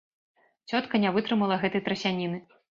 Цётка не вытрымала гэтай трасяніны.